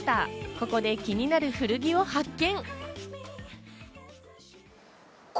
ここで気になる古着を発見。